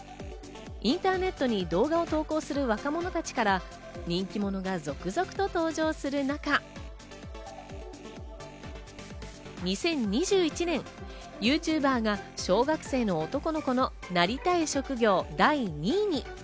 インターネットに動画を投稿する若者たちから人気者が続々と登場する中、２０２１年、ＹｏｕＴｕｂｅｒが小学生の男の子のなりたい職業、第２位に。